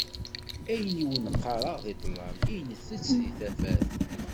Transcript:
Ayen i wen-qqareɣ di ṭṭlam, init-tt di tafat.